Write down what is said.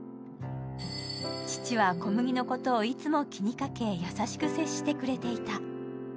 父は心麦のことをいつも気にかけ優しく接してくれていた。